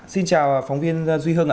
xin chào phóng viên duy hương ạ